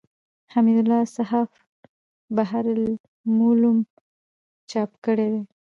حمدالله صحاف بحر الملوم چاپ کړی دﺉ.